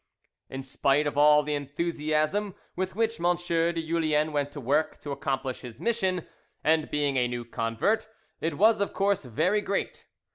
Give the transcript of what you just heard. In spite of all the enthusiasm with which M. de Julien went to work to accomplish his mission, and being a new convert, it was, of course, very great.